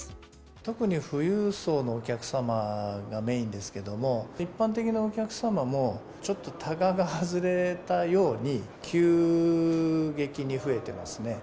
特に富裕層のお客様がメインですけども、一般的なお客様も、ちょっとたがが外れたように、急激に増えてますね。